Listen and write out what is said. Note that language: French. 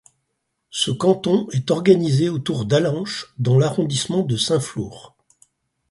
Ce canton est organisé autour d'Allanche dans l'arrondissement de Saint-Flour.